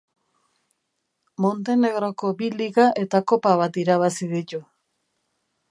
Montenegroko bi liga eta kopa bat irabazi ditu.